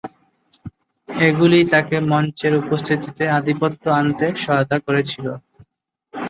এগুলি তাঁকে মঞ্চের উপস্থিতিতে আধিপত্য আনতে সহায়তা করেছিল।